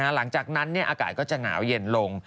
หลังจากนั้นอากาศก็จะหนาวเย็นลง